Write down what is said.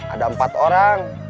ada empat orang